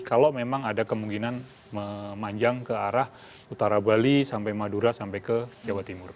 kalau memang ada kemungkinan memanjang ke arah utara bali sampai madura sampai ke jawa timur